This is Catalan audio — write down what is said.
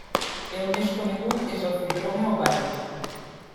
El més conegut és el fibroma ovàric.